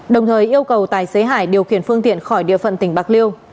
đồng thời yêu cầu tài xế hải điều khiển phương tiện khỏi địa phận tỉnh bạc liêu